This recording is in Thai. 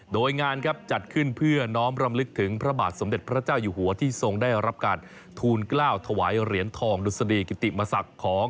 โดยงานครับจัดขึ้นเพื่อน้องรำลึกถึงพระบาทสมเด็จพระเจ้าอยู่หัวที่ทรงได้รับการทูลกล้าวถวายเหรียญทองดุษฎีกิติมศักดิ์ของ